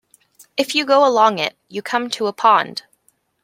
If you go along it, you come to a pond.